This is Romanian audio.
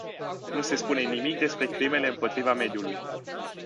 Nu se spune nimic despre crimele împotriva mediului.